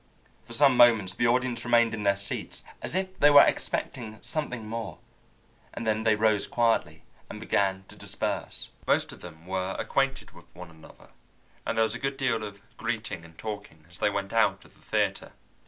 For some moments the audience remained in their seats as if they were expecting something more, and then they rose quietly and began to disperse. Most of them were acquainted with one another, and there was a good deal of greeting and talking as they went out of the theatre.